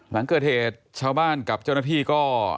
หลังเกิดเหตุชาวบ้านกับเจ้าหน้าที่ก็